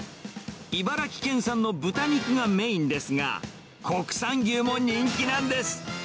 茨城県産の豚肉がメインですが、国産牛も人気なんです。